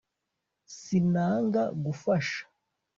sinanga gufasha